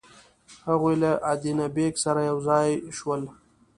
هغوی له ادینه بېګ سره یو ځای شول.